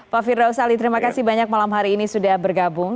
pak firdaus ali terima kasih banyak malam hari ini sudah bergabung